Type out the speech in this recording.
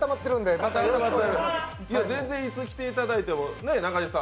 全然いつ来ていただいてもねぇ。